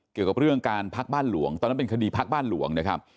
เกี่ยวกับเรื่องการพักบ้านหลวงตอนนั้นเป็นคดีพักบ้านหลวงนะครับ